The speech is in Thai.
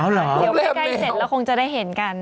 ถ้าให้ใกล้เศษเราคงจะได้เห็นกัน